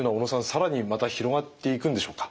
更にまた広がっていくんでしょうか？